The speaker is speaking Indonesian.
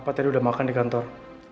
pak tadi udah makan di kantor